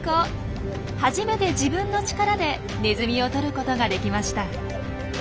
初めて自分の力でネズミをとることができました。